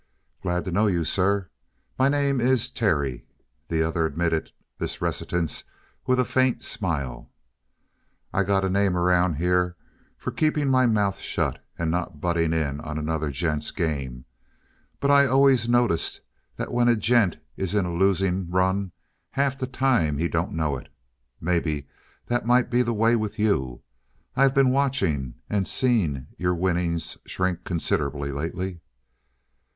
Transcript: "Glad to know you, sir. My name is Terry." The other admitted this reticence with a faint smile. "I got a name around here for keeping my mouth shut and not butting in on another gent's game. But I always noticed that when a gent is in a losing run, half the time he don't know it. Maybe that might be the way with you. I been watching and seen your winnings shrink considerable lately."